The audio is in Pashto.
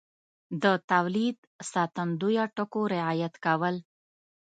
د تولید ساتندویه ټکو رعایت کول